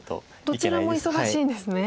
どちらも忙しいんですね。